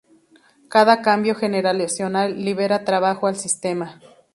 Cada cambio generacional libera trabajo al sistema.